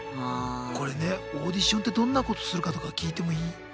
これねオーディションってどんなことするかとか聞いてもいい？